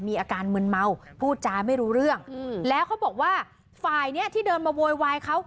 มีอาการมึนเมาพูดจาไม่รู้เรื่องแล้วเขาบอกว่าฝ่ายเนี้ยที่เดินมาโวยวายเขา